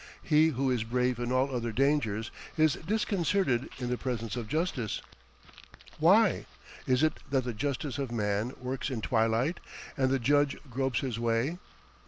He who is brave in all other dangers is disconcerted in the presence of justice. Why? Is it that the justice of man works in twilight, and the judge gropes his way?